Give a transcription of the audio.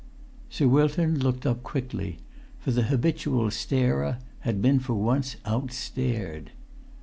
Sir Wilton looked up quickly; for the habitual starer had been for once outstared.